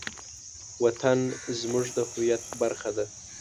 وطن زموږ د هویت برخه ده.